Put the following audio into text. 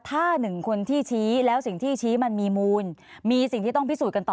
ถ้าหนึ่งคนที่ชี้แล้วสิ่งที่ชี้มันมีมูลมีสิ่งที่ต้องพิสูจน์กันต่อ